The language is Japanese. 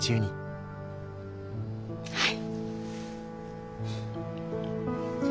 はい。